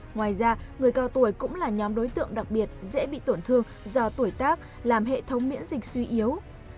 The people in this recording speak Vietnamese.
ngoài ra người cao tuổi cũng là nhóm đối tượng đặc biệt dễ bị tổn thương do tuổi tác làm hệ thống miễn dịch suy yếu